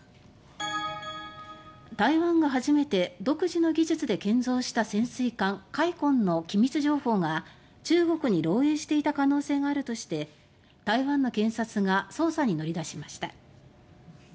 台湾が初めて独自の技術で建造した潜水艦「海鯤」の機密情報が中国に漏えいしていた可能性があるとして台湾の検察が捜査に乗り出しました。